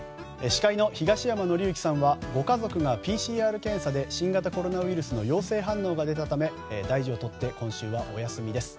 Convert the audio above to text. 司会の東山紀之さんはご家族がＰＣＲ検査で新型コロナウイルスの陽性反応が出たため大事をとって今週はお休みです。